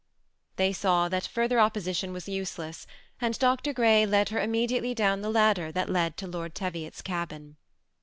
They saw that further opposition was useless, and Dr. Grey led her immediately down the ladder that led to Lord Teviot's cabin.